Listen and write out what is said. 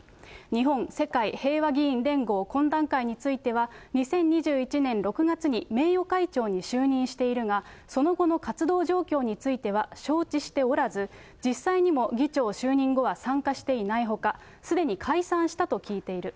日本・世界平和議員連合懇談会については、２０２１年６月に名誉会長に就任しているが、その後の活動状況については承知しておらず、実際にも議長就任後は参加していないほか、すでに解散したと聞いている。